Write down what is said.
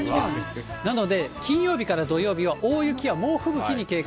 なので、金曜日から土曜日は大雪や猛吹雪に警戒。